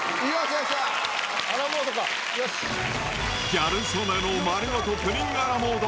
ギャル曽根の丸ごとプリンアラモード